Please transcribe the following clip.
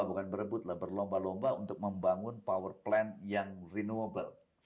bukan berebut lah berlomba lomba untuk membangun power plant yang renewable